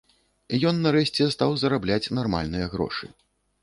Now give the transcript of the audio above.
Ён нарэшце стаў зарабляць нармальныя грошы.